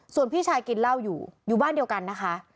ส่วนพี่ชายกินเหล้าอยู่อยู่บ้านเดียวกันนะคะ